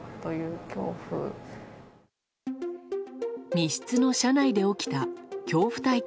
密室の車内で起きた恐怖体験。